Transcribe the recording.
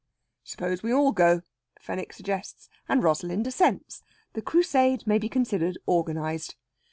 "Suppose we all go," Fenwick suggests. And Rosalind assents. The Crusade may be considered organized.